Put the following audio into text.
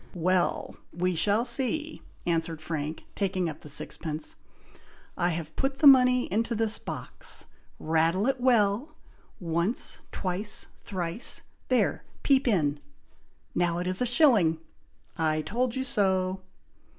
"Well! we shall see!" answered Frank, taking up the sixpence. "I have put the money into this box! rattle it well! once! twice! thrice! there, peep in! now it is a shilling! I told you so!"